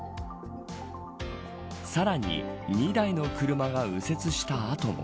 さらに２台の車が右折した後も。